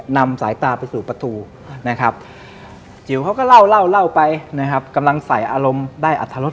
นำสายตาไปสู่ประตูนะครับจิ๋วเขาก็เล่าเล่าไปนะครับกำลังใส่อารมณ์ได้อัตรรส